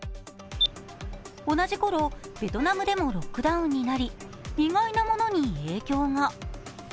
同じ頃、ベトナムでもロックダウンになり意外なものに影響が。